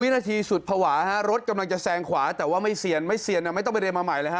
นาทีสุดภาวะฮะรถกำลังจะแซงขวาแต่ว่าไม่เซียนไม่เซียนไม่ต้องไปเรียนมาใหม่เลยฮ